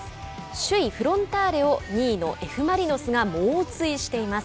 首位フロンターレを２位のＦ・マリノスが猛追しています。